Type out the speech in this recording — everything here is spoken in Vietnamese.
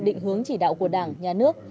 định hướng chỉ đạo của đảng nhà nước